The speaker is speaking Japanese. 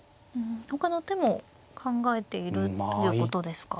ほかの手も考えているということですか。